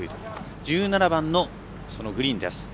１７番のグリーンです。